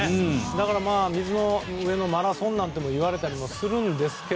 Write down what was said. だから水の上のマラソンなんていわれたりもします。